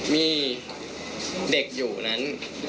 มีเด็กอยู่นั้น